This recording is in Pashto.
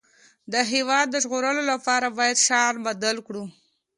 د هېواد د ژغورلو لپاره باید شعار بدل کړو